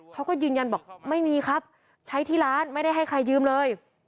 เขาก็ยืนยันบอกไม่มีครับใช้ที่ร้านไม่ได้ให้ใครยืมเลย